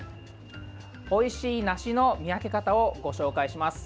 おいしい梨の見分け方をご紹介します。